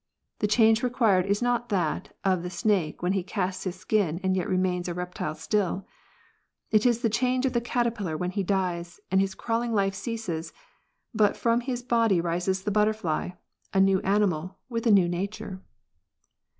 The change required is not that of the snake when he casts his skin and yet remains a reptile still : it is the change of the caterpillar when he dies, and his crawling life ceases ; but from his body rises jthe butterfly, a new animal, with a new nature.